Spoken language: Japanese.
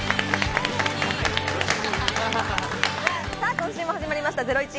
今週も始まりました『ゼロイチ』。